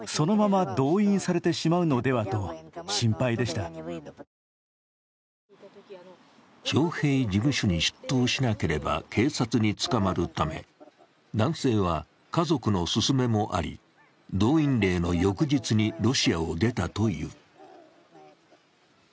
しかし徴兵事務所に出頭しなければ警察に捕まるため男性は、家族の勧めもあり動員令の翌日にロシアを出たという。